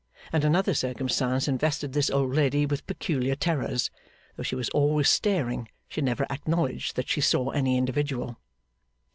And another circumstance invested this old lady with peculiar terrors. Though she was always staring, she never acknowledged that she saw any individual.